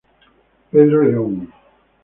Pedro León